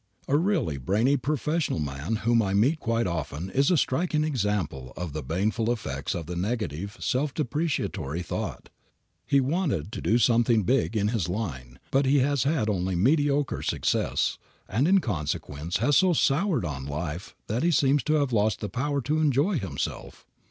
A really brainy professional man whom I meet quite often is a striking example of the baneful effects of the negative self depreciatory thought. He wanted to do something big in his line, but he has had only mediocre success, and in consequence has so soured on life that he seems to have lost the power to enjoy himself.